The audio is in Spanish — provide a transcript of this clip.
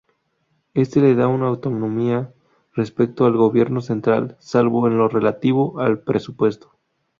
Ésta le da autonomía respecto al gobierno central, salvo en lo relativo al presupuesto.